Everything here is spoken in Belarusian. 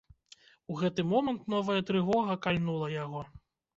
У гэты момант новая трывога кальнула яго.